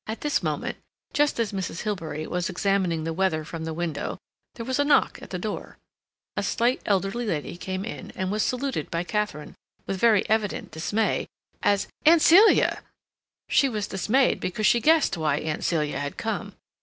At this moment, just as Mrs. Hilbery was examining the weather from the window, there was a knock at the door. A slight, elderly lady came in, and was saluted by Katharine, with very evident dismay, as "Aunt Celia!" She was dismayed because she guessed why Aunt Celia had come.